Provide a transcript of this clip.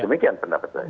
demikian pendapat saya